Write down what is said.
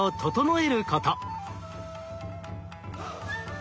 え。